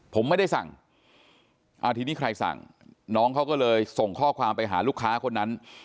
ผมไม่ได้สั่งทีนี้ใครสั่งน้องเขาก็เลยส่งข้อความไปหาลูกค้าคนนั้น